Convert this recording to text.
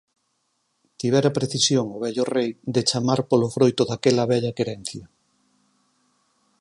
Tivera precisión o vello rei de chamar polo froito daquela vella querencia.